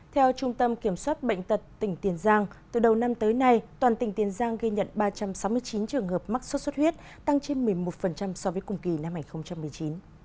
theo trung tâm kiểm soát bệnh tật tỉnh tiền giang từ đầu năm tới nay toàn tỉnh tiền giang ghi nhận ba trăm sáu mươi chín trường hợp mắc sốt xuất huyết tăng trên một mươi một so với cùng kỳ năm hai nghìn một mươi chín